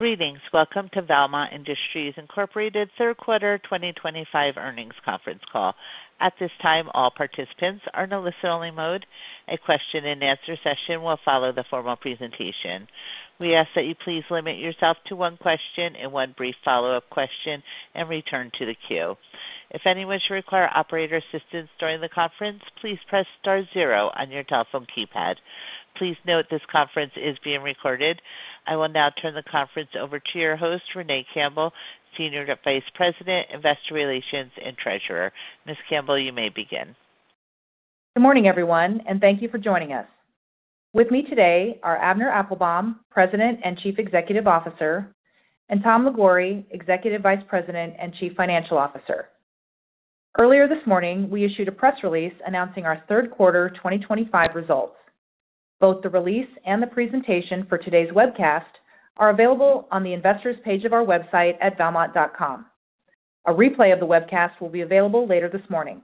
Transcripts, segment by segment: Greetings. Welcome to Valmont Industries, Inc.'s third quarter 2025 earnings conference call. At this time, all participants are in a listen-only mode. A question and answer session will follow the formal presentation. We ask that you please limit yourself to one question and one brief follow-up question and return to the queue. If anyone should require operator assistance during the conference, please press star zero on your telephone keypad. Please note this conference is being recorded. I will now turn the conference over to your host, Renee Campbell, Senior Vice President, Investor Relations and Treasurer. Ms. Campbell, you may begin. Good morning, everyone, and thank you for joining us. With me today are Avner Applbaum, President and Chief Executive Officer, and Tom Liguori, Executive Vice President and Chief Financial Officer. Earlier this morning, we issued a press release announcing our third quarter 2025 results. Both the release and the presentation for today's webcast are available on the Investors page of our website at valmont.com. A replay of the webcast will be available later this morning.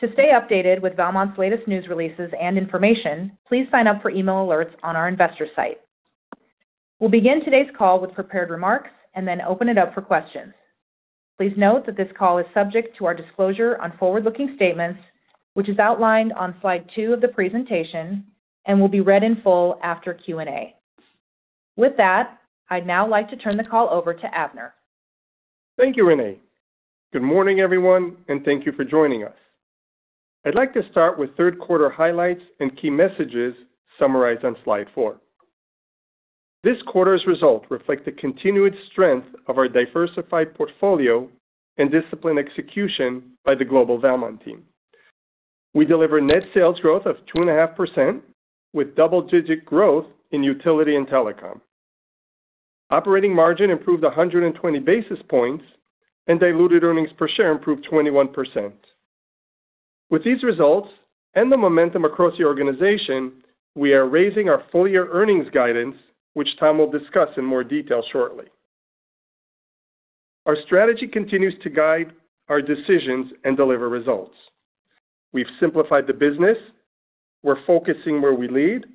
To stay updated with Valmont's latest news releases and information, please sign up for email alerts on our Investor site. We'll begin today's call with prepared remarks and then open it up for questions. Please note that this call is subject to our disclosure on forward-looking statements, which is outlined on slide two of the presentation and will be read in full after Q&A. With that, I'd now like to turn the call over to Avner. Thank you, Renee. Good morning, everyone, and thank you for joining us. I'd like to start with third quarter highlights and key messages summarized on slide four. This quarter's results reflect the continued strength of our diversified portfolio and disciplined execution by the global Valmont team. We delivered net sales growth of 2.5%, with double-digit growth in Utility and Telecom. Operating margin improved 120 basis points, and diluted earnings per share improved 21%. With these results and the momentum across the organization, we are raising our full-year earnings guidance, which Tom will discuss in more detail shortly. Our strategy continues to guide our decisions and deliver results. We've simplified the business, we're focusing where we lead,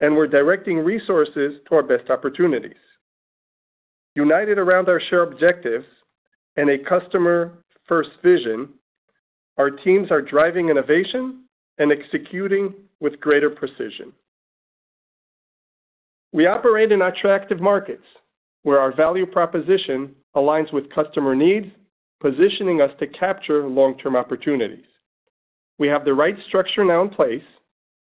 and we're directing resources to our best opportunities. United around our shared objectives and a customer-first vision, our teams are driving innovation and executing with greater precision. We operate in attractive markets where our value proposition aligns with customer needs, positioning us to capture long-term opportunities. We have the right structure now in place,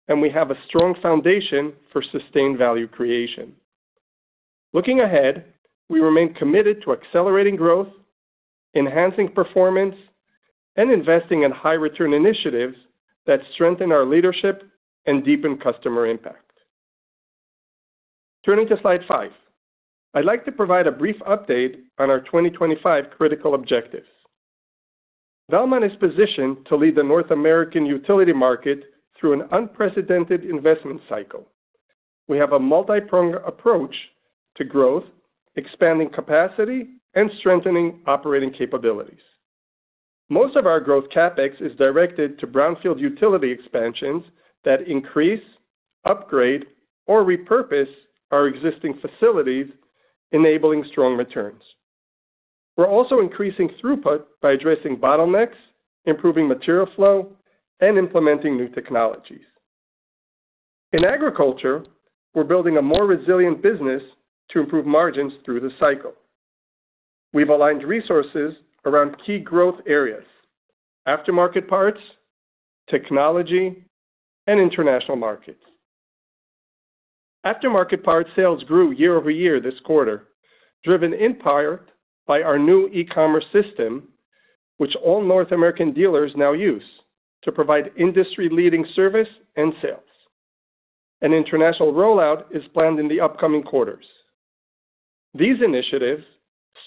and we have a strong foundation for sustained value creation. Looking ahead, we remain committed to accelerating growth, enhancing performance, and investing in high-return initiatives that strengthen our leadership and deepen customer impact. Turning to slide five, I'd like to provide a brief update on our 2025 critical objectives. Valmont is positioned to lead the North American utility market through an unprecedented investment cycle. We have a multi-pronged approach to growth, expanding capacity, and strengthening operating capabilities. Most of our growth CapEx is directed to brownfield utility expansions that increase, upgrade, or repurpose our existing facilities, enabling strong returns. We're also increasing throughput by addressing bottlenecks, improving material flow, and implementing new technologies. In agriculture, we're building a more resilient business to improve margins through the cycle. We've aligned resources around key growth areas: aftermarket parts, technology, and international markets. Aftermarket part sales grew year-over-year this quarter, driven in part by our new digital e-commerce platform, which all North American dealers now use to provide industry-leading service and sales. An international rollout is planned in the upcoming quarters. These initiatives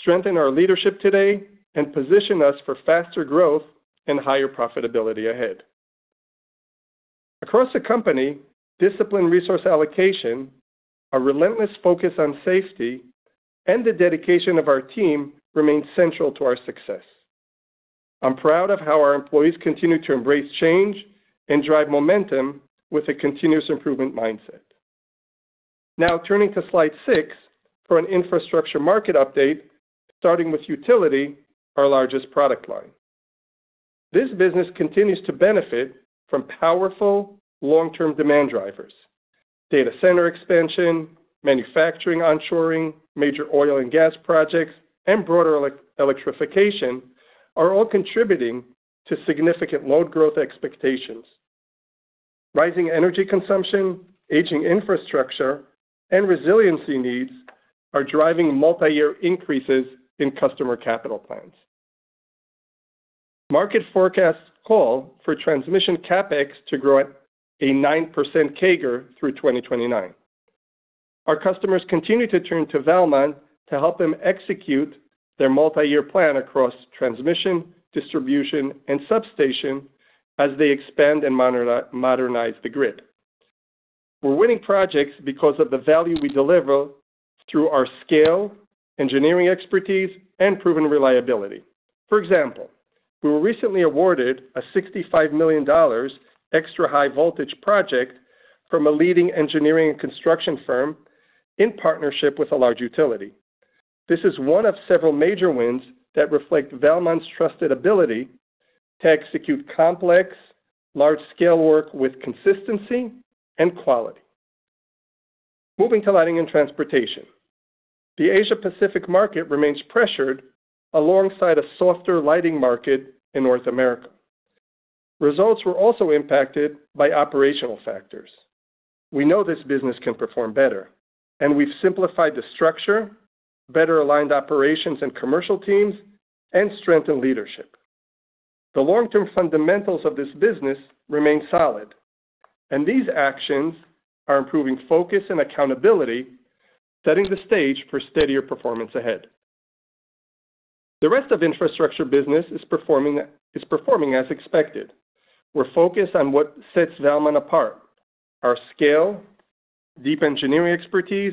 strengthen our leadership today and position us for faster growth and higher profitability ahead. Across the company, disciplined resource allocation, a relentless focus on safety, and the dedication of our team remain central to our success. I'm proud of how our employees continue to embrace change and drive momentum with a continuous improvement mindset. Now turning to slide six for an infrastructure market update, starting with Utility, our largest product line. This business continues to benefit from powerful long-term demand drivers. Data center expansion, manufacturing onshoring, major oil and gas projects, and broader electrification are all contributing to significant load growth expectations. Rising energy consumption, aging infrastructure, and resiliency needs are driving multi-year increases in customer capital plans. Market forecasts call for transmission CapEx to grow at a 9% CAGR through 2029. Our customers continue to turn to Valmont to help them execute their multi-year plan across transmission, distribution, and substation as they expand and modernize the grid. We're winning projects because of the value we deliver through our scale, engineering expertise, and proven reliability. For example, we were recently awarded a $65 million extra high voltage project from a leading engineering and construction firm in partnership with a large utility. This is one of several major wins that reflect Valmont's trusted ability to execute complex, large-scale work with consistency and quality. Moving to Lighting and Transportation, the Asia-Pacific market remains pressured alongside a softer lighting market in North America. Results were also impacted by operational factors. We know this business can perform better, and we've simplified the structure, better aligned operations and commercial teams, and strengthened leadership. The long-term fundamentals of this business remain solid, and these actions are improving focus and accountability, setting the stage for steadier performance ahead. The rest of the infrastructure business is performing as expected. We're focused on what sets Valmont apart: our scale, deep engineering expertise,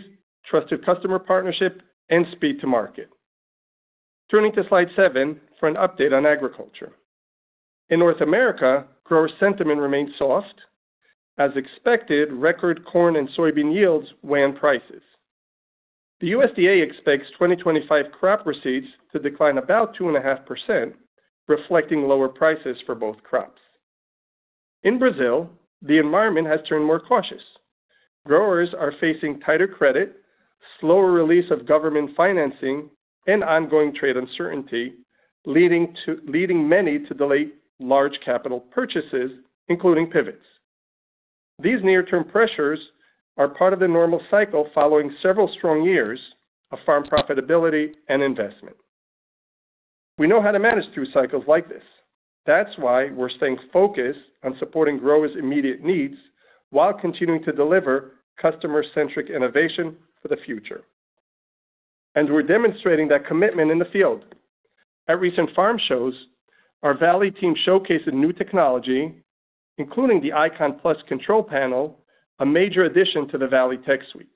trusted customer partnership, and speed to market. Turning to slide seven for an update on agriculture. In North America, grower sentiment remains soft. As expected, record corn and soybean yields weigh in prices. The USDA expects 2025 crop receipts to decline about 2.5%, reflecting lower prices for both crops. In Brazil, the environment has turned more cautious. Growers are facing tighter credit, slower release of government financing, and ongoing trade uncertainty, leading many to delay large capital purchases, including pivots. These near-term pressures are part of the normal cycle following several strong years of farm profitability and investment. We know how to manage through cycles like this. That is why we're staying focused on supporting growers' immediate needs while continuing to deliver customer-centric innovation for the future. We're demonstrating that commitment in the field. At recent farm shows, our Valley team showcases new technology, including the Icon Plus control panel, a major addition to the Valley Tech Suite.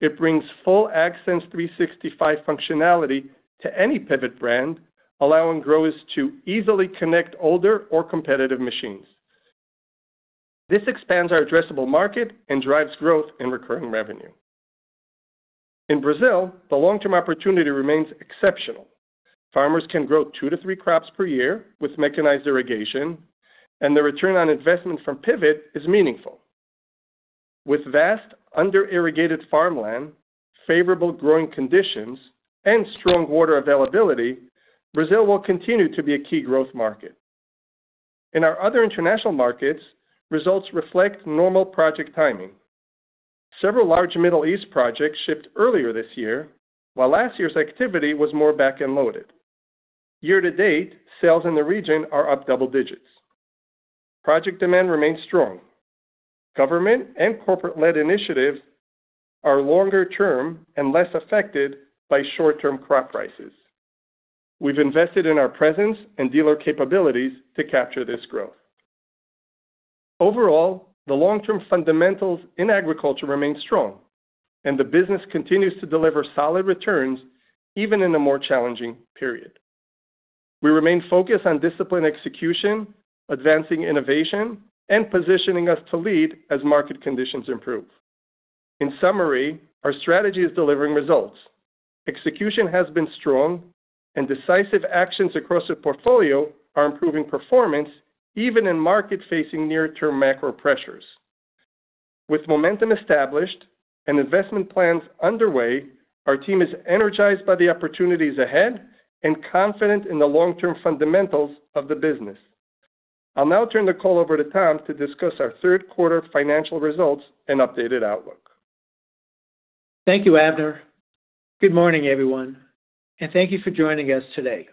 It brings full AgSense 365 functionality to any pivot brand, allowing growers to easily connect older or competitive machines. This expands our addressable market and drives growth and recurring revenue. In Brazil, the long-term opportunity remains exceptional. Farmers can grow two to three crops per year with mechanized irrigation, and the return on investment from pivot is meaningful. With vast under-irrigated farmland, favorable growing conditions, and strong water availability, Brazil will continue to be a key growth market. In our other international markets, results reflect normal project timing. Several large Middle East projects shipped earlier this year, while last year's activity was more back-end loaded. Year-to-date, sales in the region are up double digits. Project demand remains strong. Government and corporate-led initiatives are longer-term and less affected by short-term crop prices. We've invested in our presence and dealer capabilities to capture this growth. Overall, the long-term fundamentals in agriculture remain strong, and the business continues to deliver solid returns even in a more challenging period. We remain focused on disciplined execution, advancing innovation, and positioning us to lead as market conditions improve. In summary, our strategy is delivering results. Execution has been strong, and decisive actions across the portfolio are improving performance even in markets facing near-term macro pressures. With momentum established and investment plans underway, our team is energized by the opportunities ahead and confident in the long-term fundamentals of the business. I'll now turn the call over to Tom to discuss our third quarter financial results and updated outlook. Thank you, Avner. Good morning, everyone, and thank you for joining us today.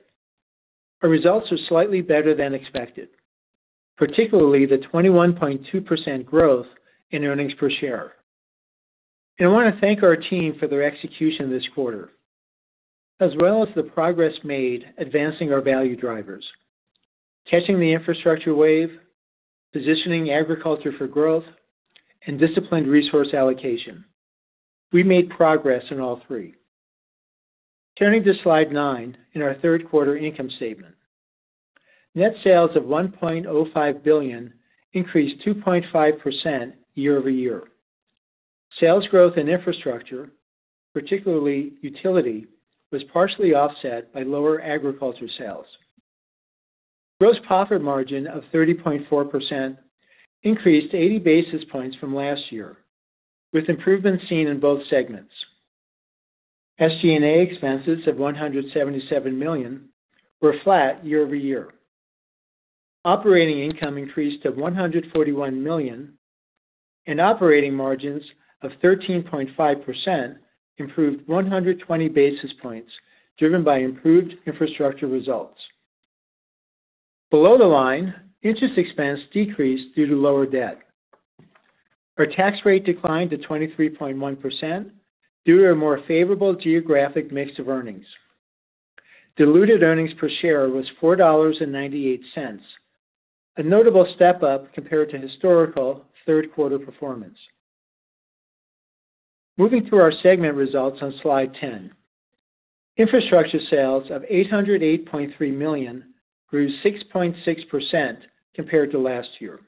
Our results are slightly better than expected, particularly the 21.2% growth in earnings per share. I want to thank our team for their execution this quarter, as well as the progress made advancing our value drivers, catching the infrastructure wave, positioning agriculture for growth, and disciplined resource allocation. We made progress in all three. Turning to slide nine in our third quarter income statement, net sales of $1.05 billion increased 2.5% year-over-year. Sales growth in infrastructure, particularly utility, was partially offset by lower agriculture sales. Gross profit margin of 30.4% increased 80 basis points from last year, with improvements seen in both segments. SG&A expenses of $177 million were flat year-over-year. Operating income increased to $141 million, and operating margins of 13.5% improved 120 basis points, driven by improved infrastructure results. Below the line, interest expense decreased due to lower debt. Our tax rate declined to 23.1% due to a more favorable geographic mix of earnings. Diluted earnings per share was $4.98, a notable step up compared to historical third-quarter performance. Moving through our segment results on slide ten, infrastructure sales of $808.3 million grew 6.6% compared to last year.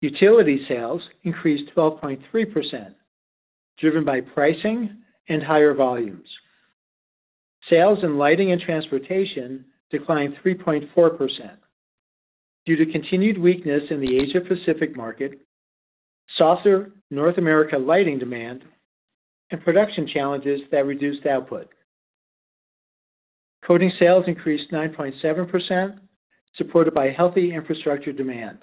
Utility sales increased 12.3%, driven by pricing and higher volumes. Sales in lighting and transportation declined 3.4% due to continued weakness in the Asia-Pacific market, softer North America lighting demand, and production challenges that reduced output. Coating sales increased 9.7%, supported by healthy infrastructure demand.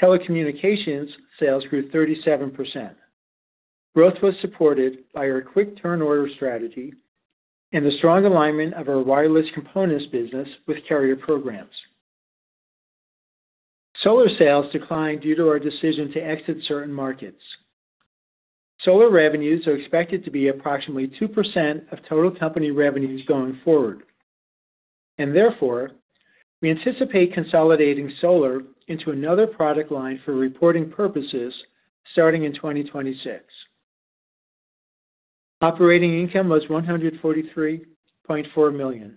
Telecommunications sales grew 37%. Growth was supported by our quick turnover strategy and the strong alignment of our wireless components business with carrier programs. Solar sales declined due to our decision to exit certain markets. Solar revenues are expected to be approximately 2% of total company revenues going forward, and therefore, we anticipate consolidating solar into another product line for reporting purposes starting in 2026. Operating income was $143.4 million,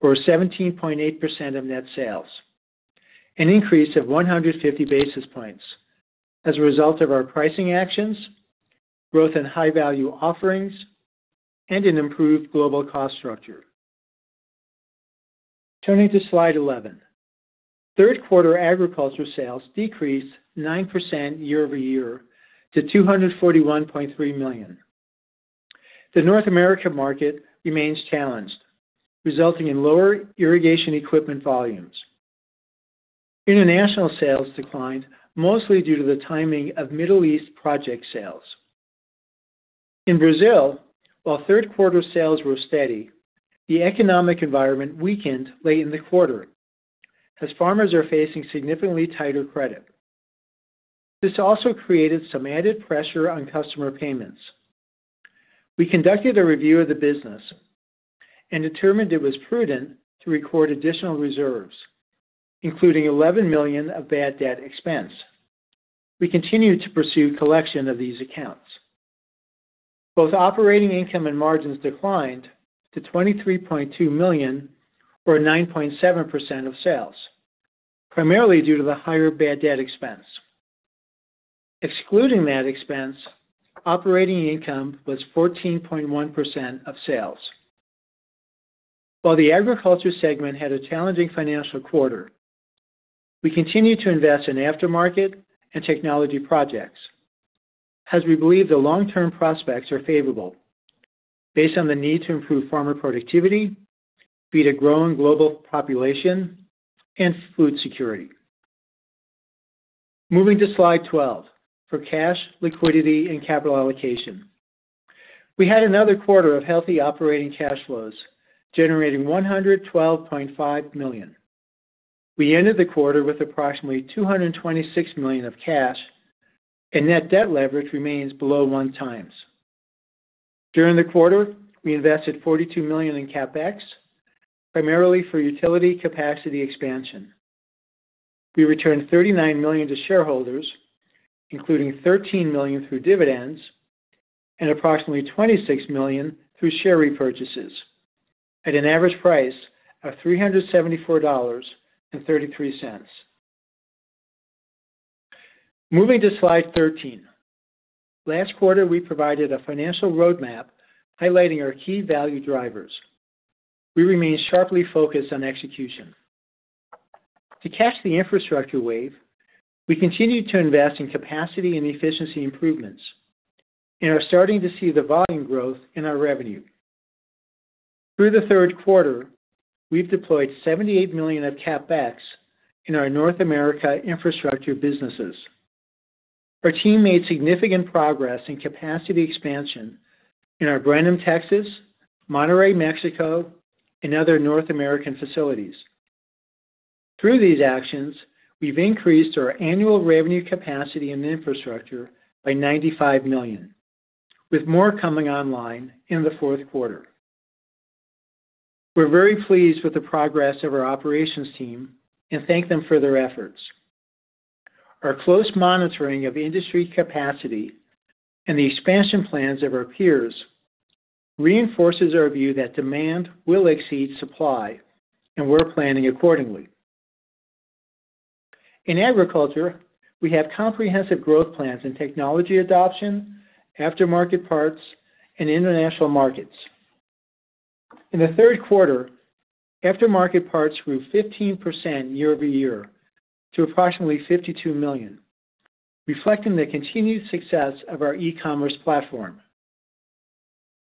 or 17.8% of net sales, an increase of 150 basis points as a result of our pricing actions, growth in high-value offerings, and an improved global cost structure. Turning to slide 11, third quarter agriculture sales decreased 9% year-over-year to $241.3 million. The North America market remains challenged, resulting in lower irrigation equipment volumes. International sales declined mostly due to the timing of Middle East project sales. In Brazil, while third quarter sales were steady, the economic environment weakened late in the quarter as farmers are facing significantly tighter credit. This also created some added pressure on customer payments. We conducted a review of the business and determined it was prudent to record additional reserves, including $11 million of bad debt expense. We continued to pursue collection of these accounts. Both operating income and margins declined to $23.2 million, or 9.7% of sales, primarily due to the higher bad debt expense. Excluding that expense, operating income was 14.1% of sales. While the agriculture segment had a challenging financial quarter, we continue to invest in aftermarket and technology projects as we believe the long-term prospects are favorable based on the need to improve farmer productivity, feed a growing global population, and food security. Moving to slide 12 for cash liquidity and capital allocation, we had another quarter of healthy operating cash flows generating $112.5 million. We ended the quarter with approximately $226 million of cash, and net debt leverage remains below 1x. During the quarter, we invested $42 million in CapEx, primarily for utility capacity expansion. We returned $39 million to shareholders, including $13 million through dividends and approximately $26 million through share repurchases at an average price of $374.33. Moving to slide 13, last quarter we provided a financial roadmap highlighting our key value drivers. We remain sharply focused on execution. To catch the infrastructure wave, we continue to invest in capacity and efficiency improvements and are starting to see the volume growth in our revenue. Through the third quarter, we've deployed $78 million of CapEx in our North America infrastructure businesses. Our team made significant progress in capacity expansion in our Brandon, Texas, Monterey, Mexico, and other North American facilities. Through these actions, we've increased our annual revenue capacity and infrastructure by $95 million, with more coming online in the fourth quarter. We're very pleased with the progress of our operations team and thank them for their efforts. Our close monitoring of industry capacity and the expansion plans of our peers reinforces our view that demand will exceed supply, and we're planning accordingly. In agriculture, we have comprehensive growth plans in technology adoption, aftermarket parts, and international markets. In the third quarter, aftermarket parts grew 15% year-over-year to approximately $52 million, reflecting the continued success of our digital e-commerce platform.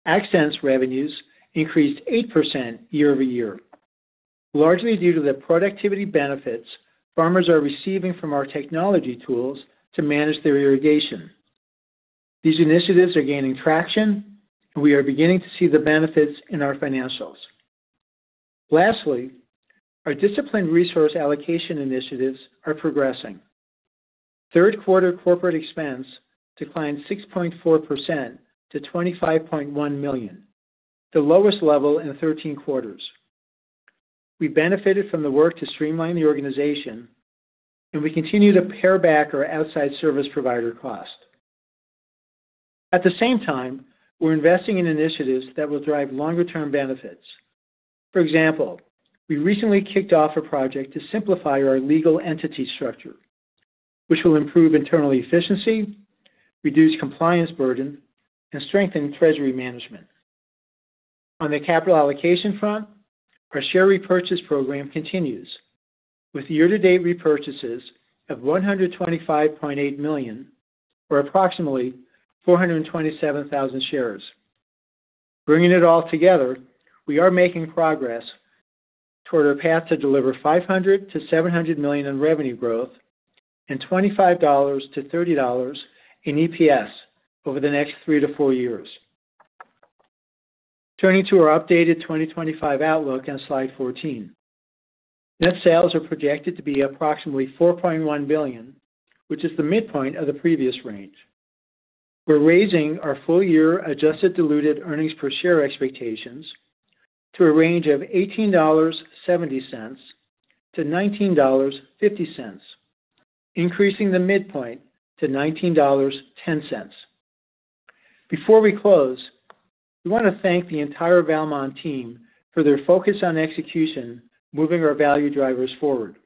AgSense revenues increased 8% year-over-year, largely due to the productivity benefits farmers are receiving from our technology tools to manage their irrigation. These initiatives are gaining traction, and we are beginning to see the benefits in our financials. Lastly, our disciplined resource allocation initiatives are progressing. Third quarter corporate expense declined 6.4% to $25.1 million, the lowest level in 13 quarters. We benefited from the work to streamline the organization, and we continue to pare back our outside service provider cost. At the same time, we're investing in initiatives that will drive longer-term benefits. For example, we recently kicked off a project to simplify our legal entity structure, which will improve internal efficiency, reduce compliance burden, and strengthen treasury management. On the capital allocation front, our share repurchase program continues with year-to-date repurchases of $125.8 million, or approximately 427,000 shares. Bringing it all together, we are making progress toward our path to deliver $500 million-$700 million in revenue growth and $25-$30 in EPS over the next three to four years. Turning to our updated 2025 outlook and slide 14, net sales are projected to be approximately $4.1 billion, which is the midpoint of the previous range. We're raising our full-year adjusted diluted earnings per share expectations to a range of $18.70-$19.50, increasing the midpoint to $19.10. Before we close, we want to thank the entire Valmont team for their focus on execution, moving our value drivers forward.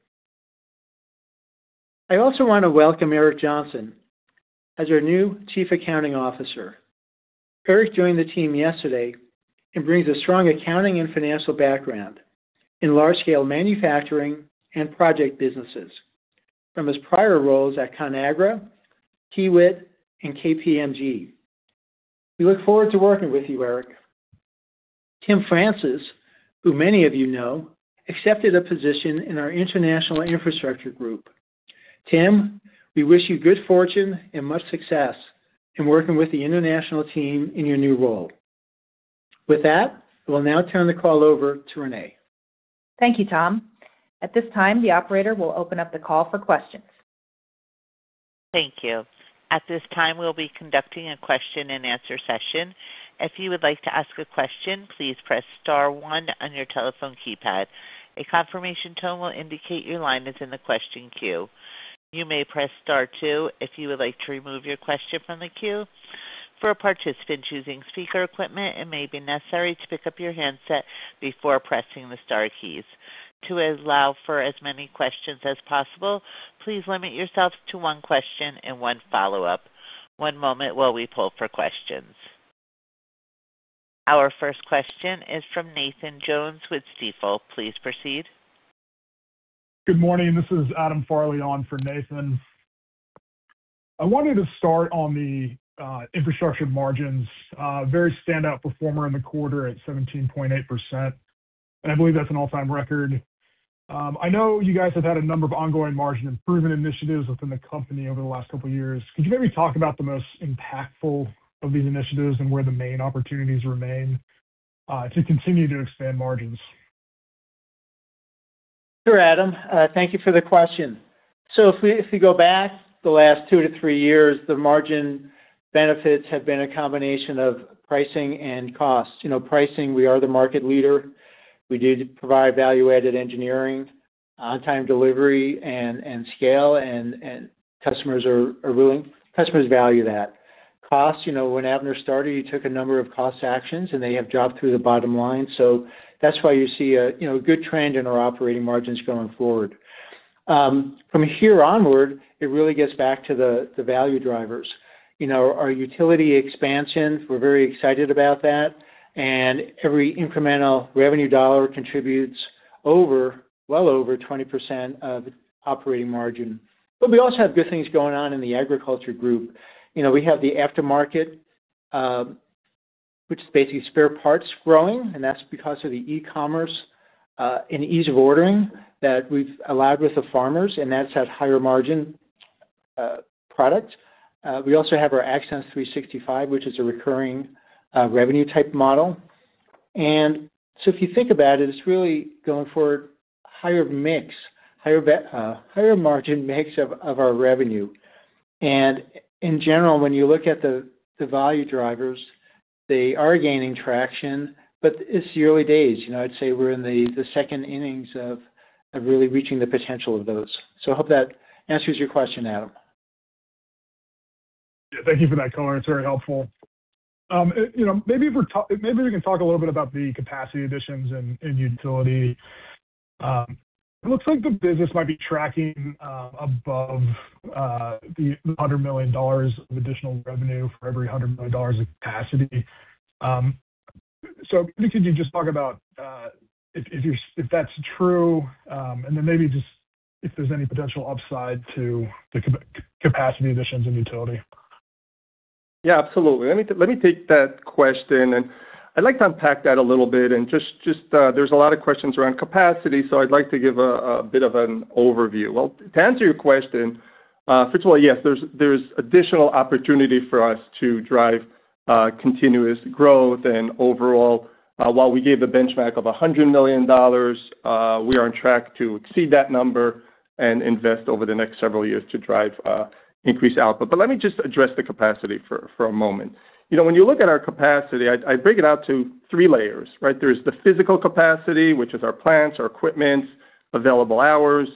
I also want to welcome Eric Johnson as our new Chief Accounting Officer. Eric joined the team yesterday and brings a strong accounting and financial background in large-scale manufacturing and project businesses from his prior roles at Conagra, Kiewit, and KPMG. We look forward to working with you, Eric. Tim Francis, who many of you know, accepted a position in our international infrastructure group. Tim, we wish you good fortune and much success in working with the international team in your new role. With that, I will now turn the call over to Renee. Thank you, Tom. At this time, the operator will open up the call for questions. Thank you. At this time, we'll be conducting a question and answer session. If you would like to ask a question, please press star one on your telephone keypad. A confirmation tone will indicate your line is in the question queue. You may press star two if you would like to remove your question from the queue. For participants using speaker equipment, it may be necessary to pick up your handset before pressing the star keys. To allow for as many questions as possible, please limit yourself to one question and one follow-up. One moment while we pull for questions. Our first question is from Nathan Jones with Stifel. Please proceed. Good morning. This is Adam Farley on for Nathan. I wanted to start on the infrastructure margins. Very standout performer in the quarter at 17.8%, and I believe that's an all-time record. I know you guys have had a number of ongoing margin improvement initiatives within the company over the last couple of years. Could you maybe talk about the most impactful of these initiatives and where the main opportunities remain to continue to expand margins? Sure, Adam. Thank you for the question. If we go back the last two to three years, the margin benefits have been a combination of pricing and cost. Pricing, we are the market leader. We do provide value-added engineering, on-time delivery, and scale, and customers are willing. Customers value that. Cost, when Avner started, he took a number of cost actions, and they have dropped through the bottom line. That's why you see a good trend in our operating margins going forward. From here onward, it really gets back to the value drivers. Our utility expansions, we're very excited about that, and every incremental revenue dollar contributes well over 20% of operating margin. We also have good things going on in the agriculture group. We have the aftermarket, which is basically spare parts growing, and that's because of the e-commerce and ease of ordering that we've allowed with the farmers, and that's that higher margin product. We also have our AgSense 365, which is a recurring revenue-type model. If you think about it, it's really going for a higher mix, higher margin mix of our revenue. In general, when you look at the value drivers, they are gaining traction, but it's the early days. I'd say we're in the second innings of really reaching the potential of those. I hope that answers your question, Adam. Thank you for that comment. It's very helpful. Maybe we can talk a little bit about the capacity additions and utility. It looks like the business might be tracking above the $100 million of additional revenue for every $100 million of capacity. Could you just talk about if that's true, and then maybe if there's any potential upside to the capacity additions and utility? Yeah, absolutely. Let me take that question, and I'd like to unpack that a little bit. There's a lot of questions around capacity, so I'd like to give a bit of an overview. To answer your question, first of all, yes, there's additional opportunity for us to drive continuous growth. Overall, while we gave a benchmark of $100 million, we are on track to exceed that number and invest over the next several years to drive increased output. Let me just address the capacity for a moment. When you look at our capacity, I break it out to three layers, right? There's the physical capacity, which is our plants, our equipment, available hours.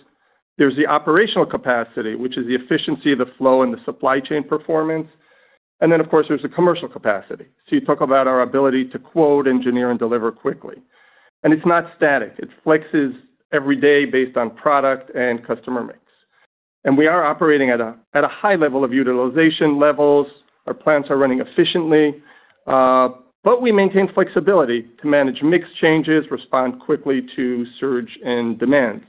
There's the operational capacity, which is the efficiency of the flow and the supply chain performance. Then, of course, there's the commercial capacity. You talk about our ability to quote, engineer, and deliver quickly. It's not static. It flexes every day based on product and customer mix. We are operating at a high level of utilization levels. Our plants are running efficiently, but we maintain flexibility to manage mix changes and respond quickly to surge in demand.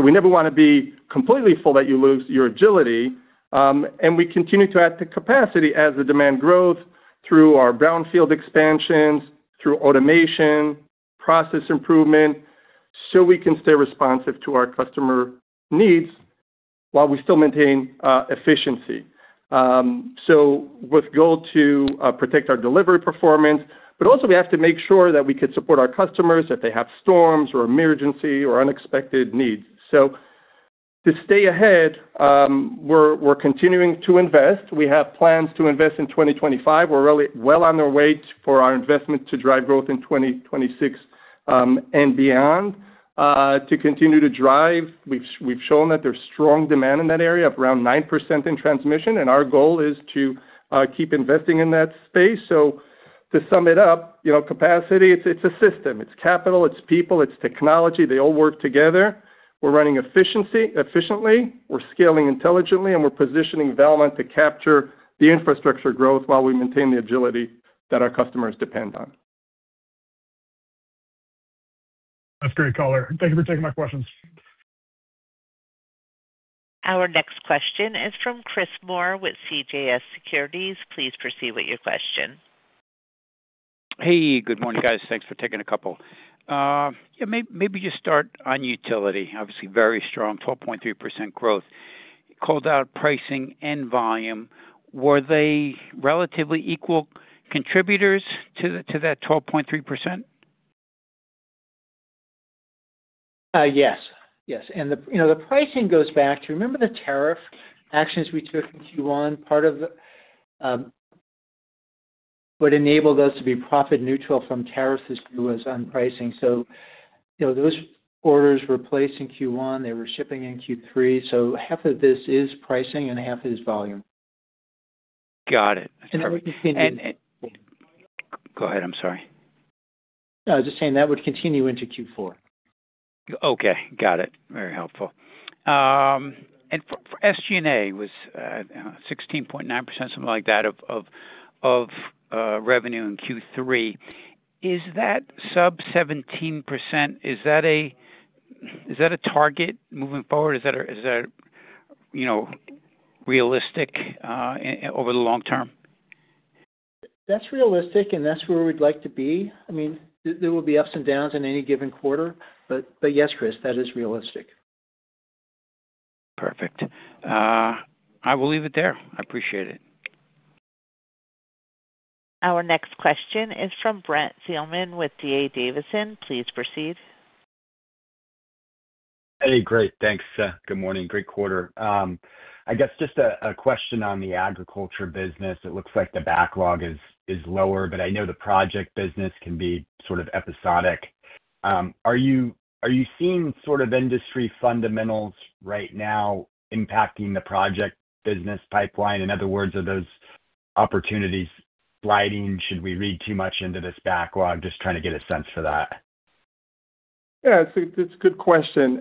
We never want to be completely full that you lose your agility. We continue to add to capacity as the demand grows through our brownfield expansions, through automation, process improvement, so we can stay responsive to our customer needs while we still maintain efficiency. The goal is to protect our delivery performance, but also we have to make sure that we could support our customers if they have storms or emergency or unexpected needs. To stay ahead, we're continuing to invest. We have plans to invest in 2025. We're really well on our way for our investment to drive growth in 2026 and beyond, to continue to drive. We've shown that there's strong demand in that area of around 9% in transmission, and our goal is to keep investing in that space. To sum it up, capacity is a system. It's capital, it's people, it's technology. They all work together. We're running efficiently, we're scaling intelligently, and we're positioning Valmont to capture the infrastructure growth while we maintain the agility that our customers depend on. That's a great call. Thank you for taking my questions. Our next question is from Chris Moore with CJS Securities. Please proceed with your question. Hey, good morning, guys. Thanks for taking a couple. Maybe just start on utility. Obviously, very strong, 12.3% growth. Called out pricing and volume. Were they relatively equal contributors to that 12.3%? Yes. The pricing goes back to, remember the tariff actions we took in Q1? Part of what enabled us to be profit neutral from tariffs is due to us on pricing. Those orders were placed in Q1, and they were shipping in Q3. Half of this is pricing and half is volume. Got it. That would continue. Go ahead. I'm sorry. I was just saying that would continue into Q4. Okay. Got it. Very helpful. For SG&A, was 16.9%, something like that, of revenue in Q3. Is that sub 17%? Is that a target moving forward? Is that a, you know, realistic over the long term? That's realistic, and that's where we'd like to be. There will be ups and downs in any given quarter, but yes, Chris, that is realistic. Perfect. I will leave it there. I appreciate it. Our next question is from Brent Thielman with D.A. Davidson. Please proceed. Hey, great. Thanks. Good morning. Great quarter. I guess just a question on the agriculture business. It looks like the backlog is lower, but I know the project business can be sort of episodic. Are you seeing sort of industry fundamentals right now impacting the project business pipeline? In other words, are those opportunities sliding? Should we read too much into this backlog? Just trying to get a sense for that. Yeah, it's a good question.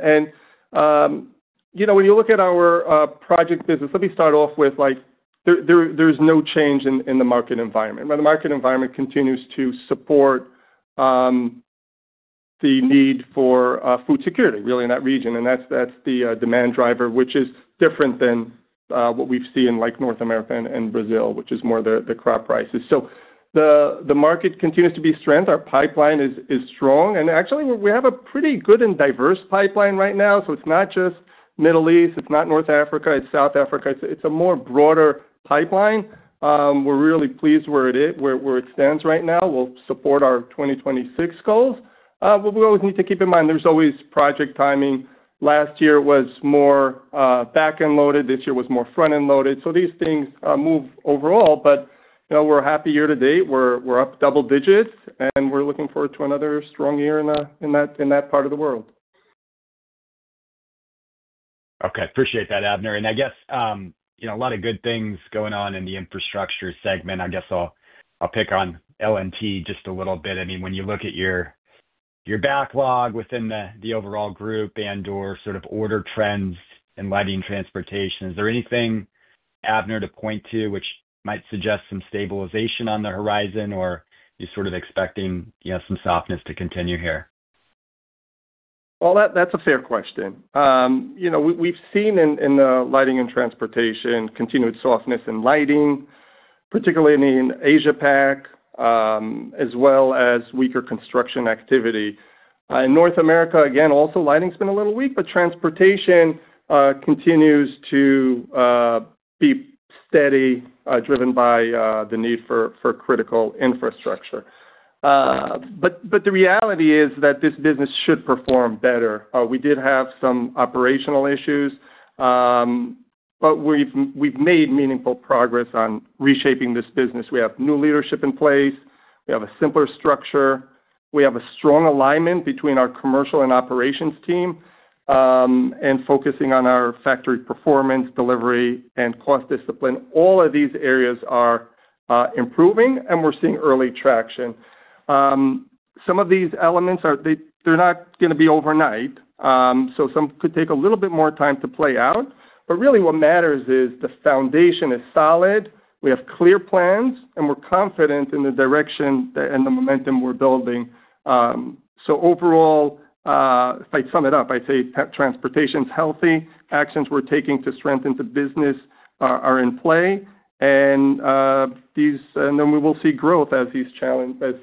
You know, when you look at our project business, let me start off with, like, there's no change in the market environment. Right? The market environment continues to support the need for food security, really, in that region. That's the demand driver, which is different than what we've seen in, like, North America and Brazil, which is more the crop prices. The market continues to be strength. Our pipeline is strong. Actually, we have a pretty good and diverse pipeline right now. It's not just Middle East. It's not North Africa. It's South Africa. It's a more broader pipeline. We're really pleased where it is, where it stands right now. It'll support our 2026 goals. What we always need to keep in mind, there's always project timing. Last year was more back-end loaded. This year was more front-end loaded. These things move overall. We're happy year to date. We're up double digits, and we're looking forward to another strong year in that part of the world. Okay. Appreciate that, Avner. I guess, you know, a lot of good things going on in the infrastructure segment. I'll pick on L&T just a little bit. I mean, when you look at your backlog within the overall group and/or sort of order trends in lighting and transportation, is there anything, Avner, to point to which might suggest some stabilization on the horizon, or are you sort of expecting, you know, some softness to continue here? That's a fair question. We've seen in the lighting and transportation continued softness in lighting, particularly in the Asia-PAC, as well as weaker construction activity in North America. Again, also lighting's been a little weak, but transportation continues to be steady, driven by the need for critical infrastructure. The reality is that this business should perform better. We did have some operational issues, but we've made meaningful progress on reshaping this business. We have new leadership in place. We have a simpler structure. We have a strong alignment between our commercial and operations team, and focusing on our factory performance, delivery, and cost discipline. All of these areas are improving, and we're seeing early traction. Some of these elements are not going to be overnight, so some could take a little bit more time to play out. What matters is the foundation is solid. We have clear plans, and we're confident in the direction and the momentum we're building. Overall, if I sum it up, I'd say transportation's healthy. Actions we're taking to strengthen the business are in play, and we will see growth as these challenges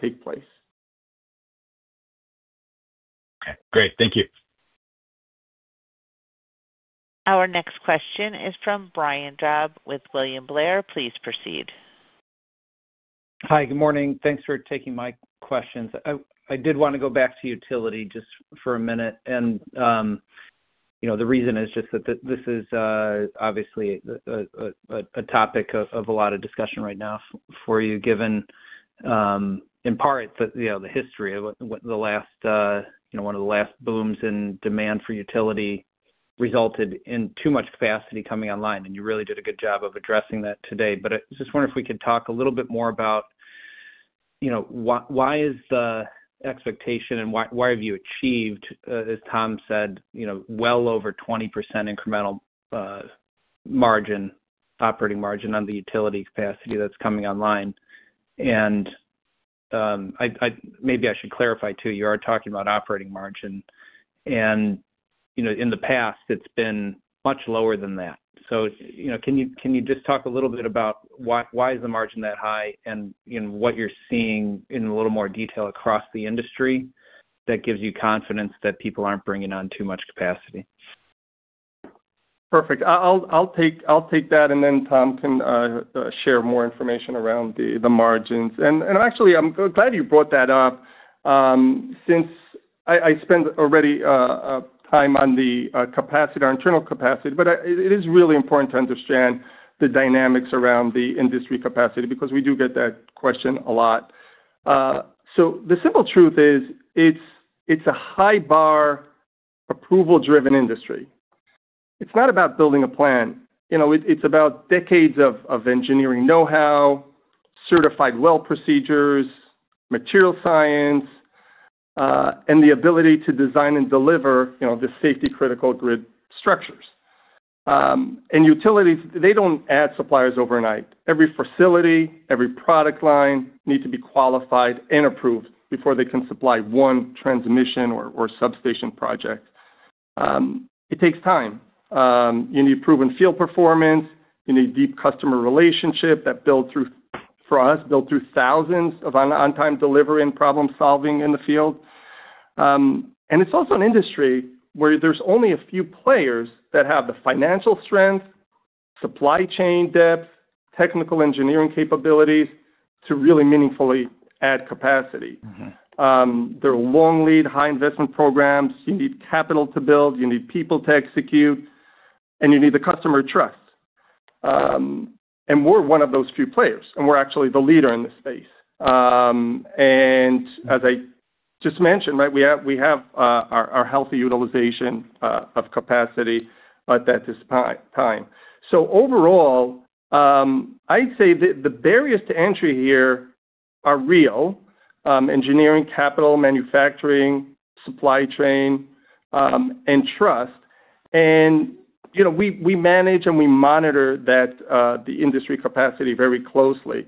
take place. Okay. Great. Thank you. Our next question is from Brian Drab with William Blair. Please proceed. Hi. Good morning. Thanks for taking my questions. I did want to go back to utility just for a minute. The reason is just that this is, obviously, a topic of a lot of discussion right now for you, given, in part, the history of what the last, you know, one of the last booms in demand for utility resulted in too much capacity coming online. You really did a good job of addressing that today. I just wonder if we could talk a little bit more about, you know, why is the expectation and why have you achieved, as Tom said, you know, well over 20% incremental margin, operating margin on the utility capacity that's coming online? Maybe I should clarify, too, you are talking about operating margin. In the past, it's been much lower than that. Can you just talk a little bit about why is the margin that high and what you're seeing in a little more detail across the industry that gives you confidence that people aren't bringing on too much capacity? Perfect. I'll take that, and then Tom can share more information around the margins. Actually, I'm glad you brought that up. Since I spent already time on the capacity, our internal capacity, it is really important to understand the dynamics around the industry capacity because we do get that question a lot. The simple truth is it's a high-bar approval-driven industry. It's not about building a plant. It's about decades of engineering know-how, certified weld procedures, material science, and the ability to design and deliver the safety-critical grid structures. Utilities don't add suppliers overnight. Every facility, every product line needs to be qualified and approved before they can supply one transmission or substation project. It takes time. You need proven field performance. You need deep customer relationships that, for us, build through thousands of on-time delivery and problem-solving in the field. It's also an industry where there's only a few players that have the financial strength, supply chain depth, and technical engineering capabilities to really meaningfully add capacity. There are long-lead, high-investment programs. You need capital to build. You need people to execute. You need the customer trust. We're one of those few players, and we're actually the leader in this space. As I just mentioned, we have our healthy utilization of capacity at this time. Overall, I'd say that the barriers to entry here are real: engineering, capital, manufacturing, supply chain, and trust. We manage and we monitor the industry capacity very closely,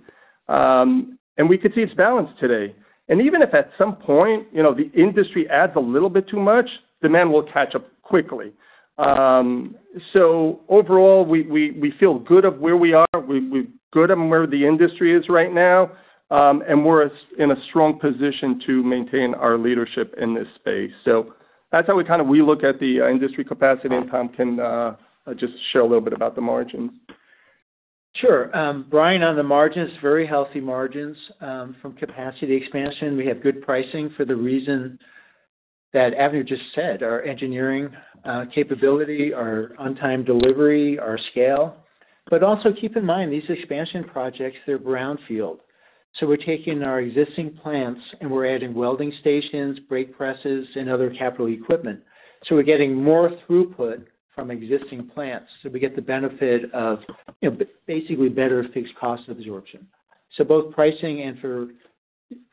and we can see its balance today. Even if at some point the industry adds a little bit too much, demand will catch up quickly. Overall, we feel good about where we are. We're good on where the industry is right now, and we're in a strong position to maintain our leadership in this space. That's how we kind of look at the industry capacity. Tom can just share a little bit about the margins. Sure. Brian, on the margins, very healthy margins from capacity expansion. We have good pricing for the reason that Avner just said, our engineering capability, our on-time delivery, our scale. Also, keep in mind, these expansion projects, they're brownfield. We're taking our existing plants, and we're adding welding stations, brake presses, and other capital equipment. We're getting more throughput from existing plants. We get the benefit of basically better fixed cost absorption. Both pricing and for us,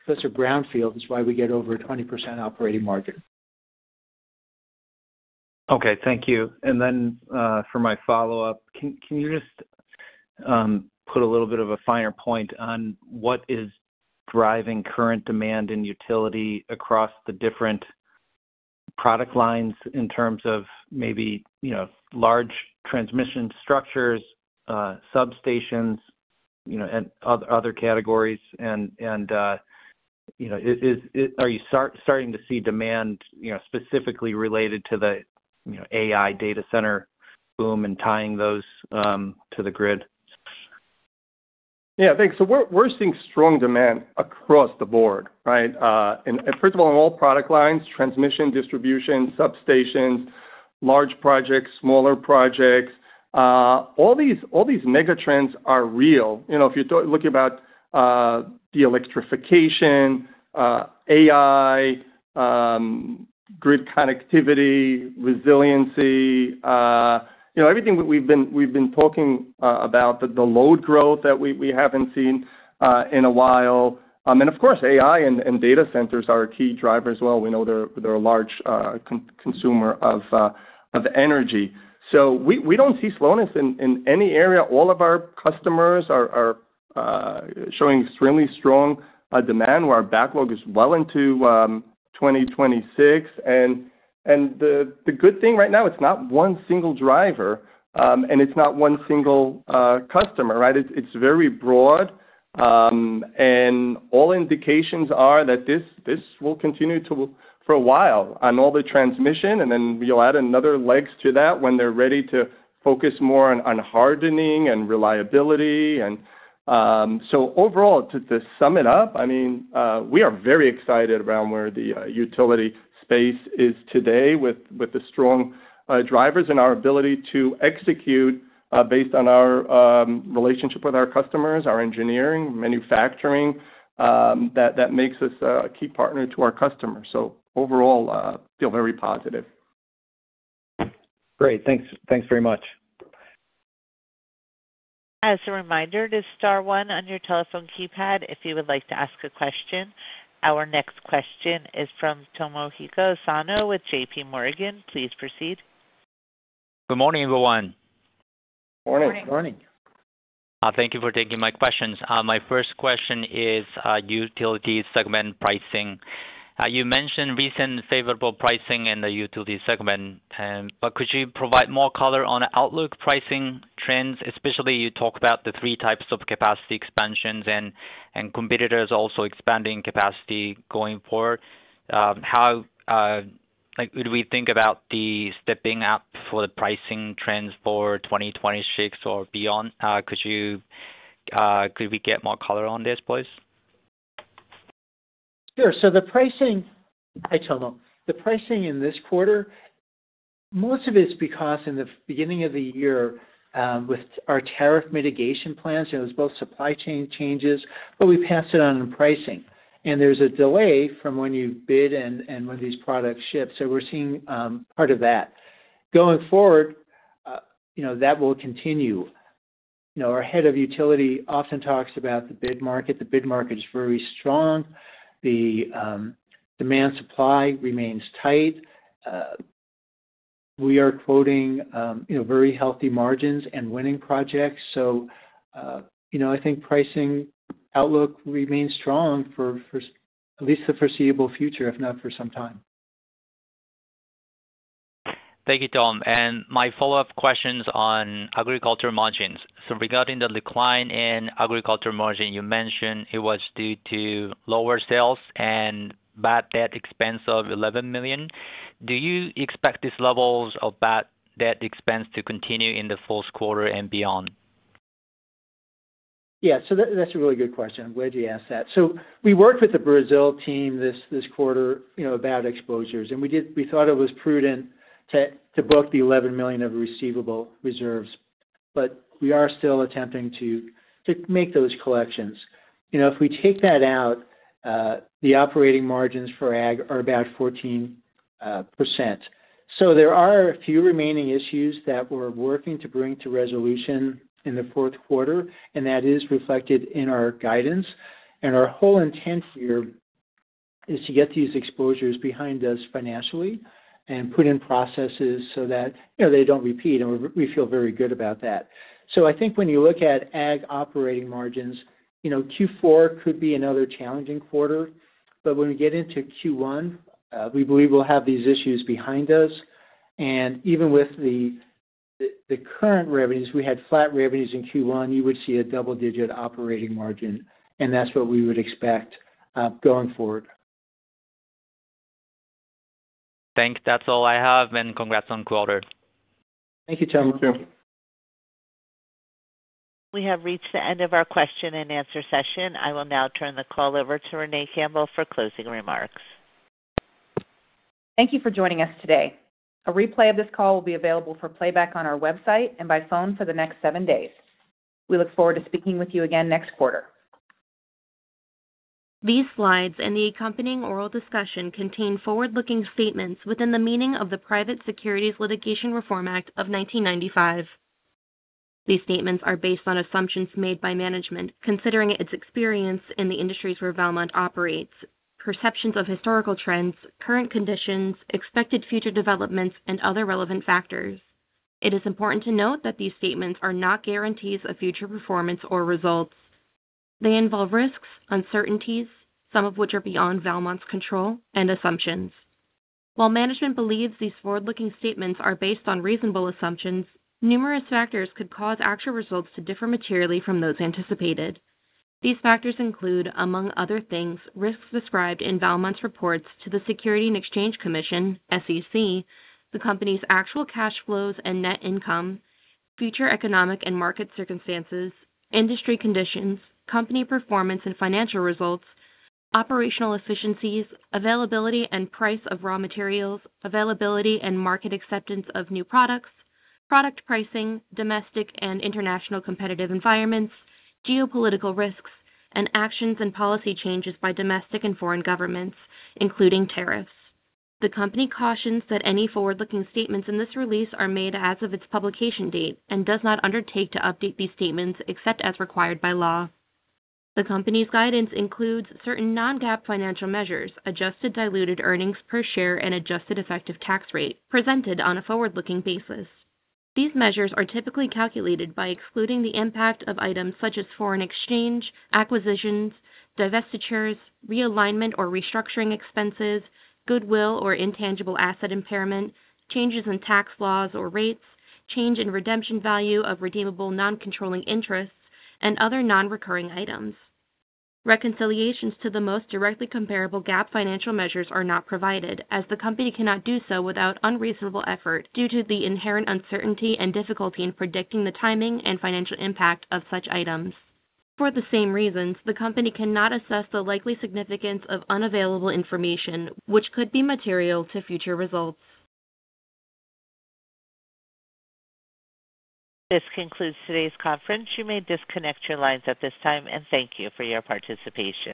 it's a brownfield. It's why we get over a 20% operating margin. Okay. Thank you. For my follow-up, can you just put a little bit of a finer point on what is driving current demand in utility across the different product lines in terms of maybe, you know, large transmission structures, substations, and other categories? Are you starting to see demand specifically related to the AI data center boom and tying those to the grid? Yeah, thanks. We're seeing strong demand across the board, right? First of all, in all product lines, transmission, distribution, substations, large projects, smaller projects, all these megatrends are real. If you're talking about the electrification, AI, grid connectivity, resiliency, everything we've been talking about, the load growth that we haven't seen in a while. Of course, AI and data centers are a key driver as well. We know they're a large consumer of energy. We don't see slowness in any area. All of our customers are showing extremely strong demand. Our backlog is well into 2026. The good thing right now, it's not one single driver, and it's not one single customer, right? It's very broad. All indications are that this will continue for a while on all the transmission, and then we'll add another leg to that when they're ready to focus more on hardening and reliability. Overall, to sum it up, I mean, we are very excited around where the utility space is today with the strong drivers and our ability to execute based on our relationship with our customers, our engineering, manufacturing, that makes us a key partner to our customers. Overall, I feel very positive. Great, thanks. Thanks very much. As a reminder, just star one on your telephone keypad if you would like to ask a question. Our next question is from Tomohiko Sano with JPMorgan. Please proceed. Good morning, everyone. Morning. Morning. Thank you for taking my questions. My first question is utility segment pricing. You mentioned recent favorable pricing in the utility segment, but could you provide more color on outlook pricing trends, especially you talk about the three types of capacity expansions and competitors also expanding capacity going forward? How would we think about the stepping up for the pricing trends for 2026 or beyond? Could we get more color on this, please? Sure. The pricing, I told them, the pricing in this quarter, most of it is because in the beginning of the year, with our tariff mitigation plans, it was both supply chain changes, but we passed it on in pricing. There's a delay from when you bid and when these products ship. We're seeing part of that. Going forward, that will continue. Our Head of Utility often talks about the bid market. The bid market is very strong. The demand-supply remains tight. We are quoting very healthy margins and winning projects. I think pricing outlook remains strong for at least the foreseeable future, if not for some time. Thank you, Tom. My follow-up question is on agriculture margins. Regarding the decline in agriculture margins, you mentioned it was due to lower sales and bad debt expense of $11 million. Do you expect these levels of bad debt expense to continue in the fourth quarter and beyond? Yeah, that's a really good question. I'm glad you asked that. We worked with the Brazil team this quarter about exposures, and we thought it was prudent to book the $11 million of receivable reserves. We are still attempting to make those collections. If we take that out, the operating margins for ag are about 14%. There are a few remaining issues that we're working to bring to resolution in the fourth quarter, and that is reflected in our guidance. Our whole intent here is to get these exposures behind us financially and put in processes so that they don't repeat. We feel very good about that. I think when you look at ag operating margins, Q4 could be another challenging quarter. When we get into Q1, we believe we'll have these issues behind us. Even with the current revenues, we had flat revenues in Q1. You would see a double-digit operating margin, and that's what we would expect going forward. Thanks. That's all I have. Congratulations on the quarter. Thank you, Tom. Thank you. We have reached the end of our question and answer session. I will now turn the call over to Renee Campbell for closing remarks. Thank you for joining us today. A replay of this call will be available for playback on our website and by phone for the next seven days. We look forward to speaking with you again next quarter. These slides and the accompanying oral discussion contain forward-looking statements within the meaning of the Private Securities Litigation Reform Act of 1995. These statements are based on assumptions made by management considering its experience in the industries where Valmont Industries operates, perceptions of historical trends, current conditions, expected future developments, and other relevant factors. It is important to note that these statements are not guarantees of future performance or results. They involve risks, uncertainties, some of which are beyond Valmont Industries' control, and assumptions. While management believes these forward-looking statements are based on reasonable assumptions, numerous factors could cause actual results to differ materially from those anticipated. These factors include, among other things, risks described in Valmont Industries' reports to the U.S. Securities and Exchange Commission (SEC), the company's actual cash flows and net income, future economic and market circumstances, industry conditions, company performance and financial results, operational efficiencies, availability and price of raw materials, availability and market acceptance of new products, product pricing, domestic and international competitive environments, geopolitical risks, and actions and policy changes by domestic and foreign governments, including tariffs. The company cautions that any forward-looking statements in this release are made as of its publication date and does not undertake to update these statements except as required by law. The company's guidance includes certain non-GAAP financial measures, adjusted diluted earnings per share and adjusted effective tax rate presented on a forward-looking basis. These measures are typically calculated by excluding the impact of items such as foreign exchange, acquisitions, divestitures, realignment or restructuring expenses, goodwill or intangible asset impairment, changes in tax laws or rates, change in redemption value of redeemable non-controlling interests, and other non-recurring items. Reconciliations to the most directly comparable GAAP financial measures are not provided, as the company cannot do so without unreasonable effort due to the inherent uncertainty and difficulty in predicting the timing and financial impact of such items. For the same reasons, the company cannot assess the likely significance of unavailable information, which could be material to future results. This concludes today's conference. You may disconnect your lines at this time, and thank you for your participation.